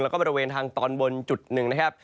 แล้วก็บริเวณทางตอนบนจุดหนึ่งนะครับ